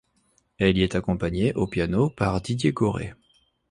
Elle y est accompagnée, au piano, par Didier Goret.